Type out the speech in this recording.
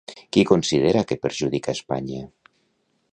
Qui considera que perjudica Espanya?